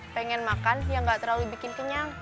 pengen makan yang gak terlalu bikin kenyang